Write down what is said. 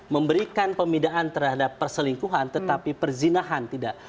memberikan pemidaan terhadap perselingkuhan tetapi perzinahan tidak